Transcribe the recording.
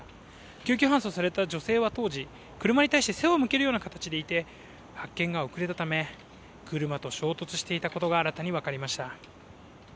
救急搬送された女性は当時車に対して背を向けるような姿勢でいたため、発見が遅れたため、車と衝突していたことが新たに分かりました。